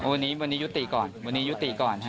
วันนี้วันนี้ยุติก่อนวันนี้ยุติก่อนฮะ